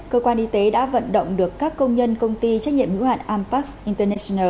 cơ quan y tế đã vận động được các công nhân công ty trách nhiệm hữu hạn ampax international